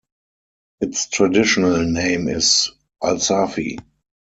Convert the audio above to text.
Its traditional name is Alsafi.